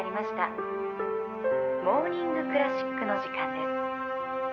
「『モーニング・クラシック』の時間です」